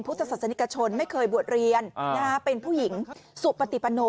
พุศสัจฌานิกชนไม่เคยบวชเรียนอาฮะเป็นผู้หญิงสุปติประโน